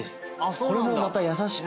これもまた優しく。